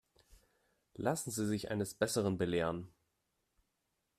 Lassen Sie sich eines Besseren belehren.